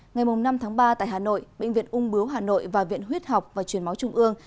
ngày năm tháng ba tại hà nội bệnh viện ung bướu hà nội và viện huyết học và truyền máu trung ương